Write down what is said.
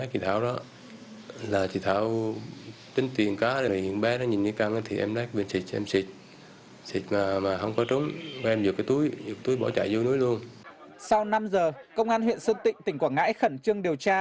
sau năm giờ công an huyện sơn tịnh tỉnh quảng ngãi khẩn trương điều tra